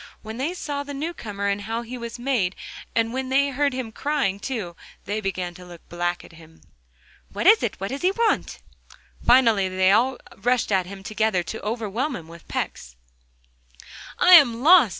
When they saw the new comer and how he was made, and when they heard him crying too, they began to look black at him. 'What is it? what does he want?' Finally they rushed at him all together, to overwhelm him with pecks. 'I am lost!